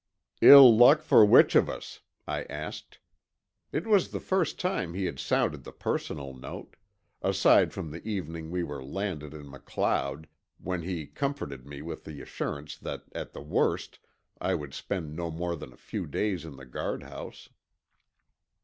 "Ill luck for which of us?" I asked. It was the first time he had sounded the personal note—aside from the evening we were landed in MacLeod, when he comforted me with the assurance that at the worst I would spend no more than a few days in the guardhouse.